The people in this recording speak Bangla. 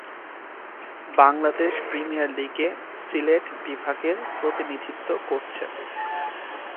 বাংলাদেশ প্রিমিয়ার লীগে সিলেট বিভাগের প্রতিনিধিত্ব করছেন।